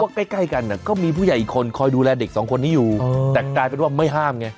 ใกล้กันก็มีผู้ใหญ่อีกคนคอยดูแลเด็กสองคนนี้อยู่แต่กลายเป็นว่าไม่ห้ามไง